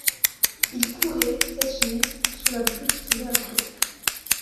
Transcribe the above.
Il courait, tête nue, sous la pluie qui tombait à flots.